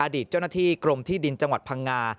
อดีตเจ้าหน้าที่กรมที่ดินจังหวัดพังงา